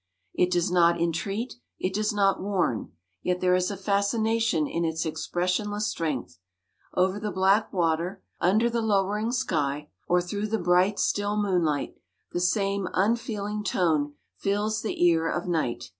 It does not entreat, it does not warn; yet there is a fascination in its expressionless strength. Over the black water, under the lowering sky, or through the bright still moonlight, the same unfeeling tone fills the ear of night.